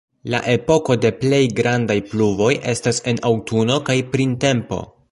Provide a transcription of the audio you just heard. La epoko de plej grandaj pluvoj estas en aŭtuno kaj printempo.